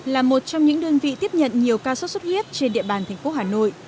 là một trong những đơn vị tiếp nhận nhiều ca sốt xuất huyết trên địa bàn thành phố hà nội